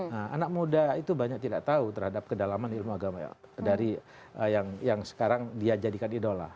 nah anak muda itu banyak tidak tahu terhadap kedalaman ilmu agama yang sekarang dia jadikan idola